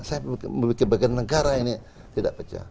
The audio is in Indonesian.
saya berpikir bagaimana negara ini tidak pecah